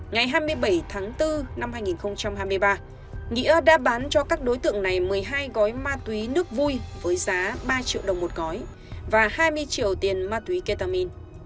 ngày hai mươi bảy tháng bốn năm hai nghìn hai mươi ba nghĩa đã bán cho các đối tượng này một mươi hai gói ma túy nước vui với giá ba triệu đồng một gói và hai mươi triệu tiền ma túy ketamin